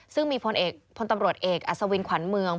ซึ่งมีพลตำรวจเอกอัศวินขวัญเมือง